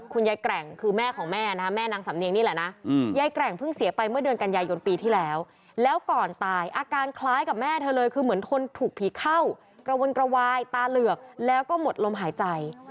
คุณยายแกร่งคือแม่ของแม่นะครับแม่นางสำเนียงนี่แหละนะ